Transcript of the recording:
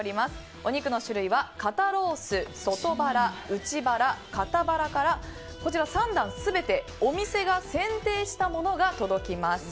お肉の種類は肩ロース外バラ、内バラ肩バラから３段全てお店が選定したものが届きます。